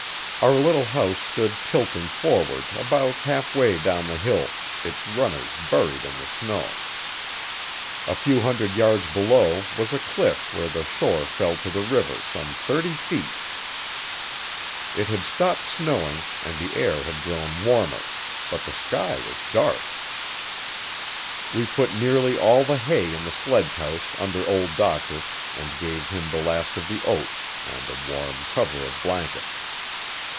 Our little house stood tilting forward about half way down the hill, its runners buried in the snow. A few hundred yards below was a cliff where the shore fell to the river some thirty feet It had stopped snowing, and the air had grown warmer, but the sky was dark We put nearly all the hay in the sledgehouse under Old Doctor and gave him the last of the oats and a warm cover of blankets.